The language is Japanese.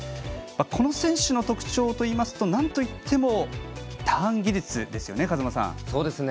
この選手の特徴というとなんといってもターン技術ですよね、風間さん。